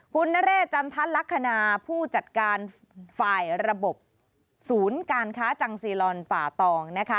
คุณนเรศจันทัศนลักษณะผู้จัดการฝ่ายระบบศูนย์การค้าจังซีลอนป่าตองนะคะ